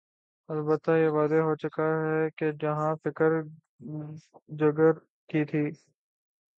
البتہ یہ واضح ہو چکا کہ جہاں فکر جگر کی تھی۔